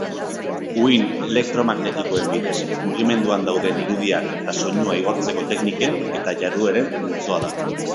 Uhin elektromagnetikoen bidez mugimenduan dauden irudiak eta soinua igortzeko tekniken eta jardueren multzoa da